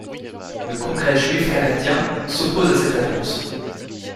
Le Congrès juif canadien s'oppose à cette alliance.